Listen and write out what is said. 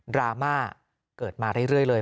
ราม่าเกิดมาเรื่อยเลย